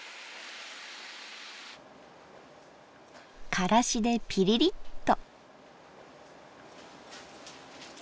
からしでピリリッと。